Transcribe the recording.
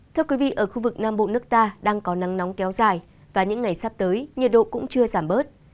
thưa quý vị ở khu vực nam bộ nước ta đang có nắng nóng kéo dài và những ngày sắp tới nhiệt độ cũng chưa giảm bớt